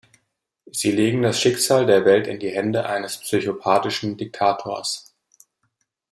Sie legen das Schicksal der Welt in die Hände eines psychopathischen Diktators.